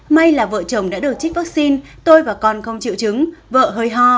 may là vợ chồng đã được trích vaccine tôi và con không chịu chứng vợ hơi ho